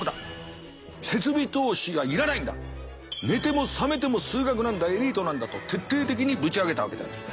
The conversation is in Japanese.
設備投資が要らないんだ寝ても覚めても数学なんだエリートなんだと徹底的にぶち上げたわけであります。